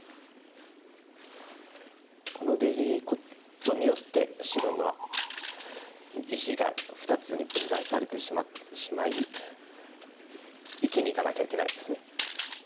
この出切ることによって白の石が２つに分断されてしまい生きにいかなきゃいけないですね。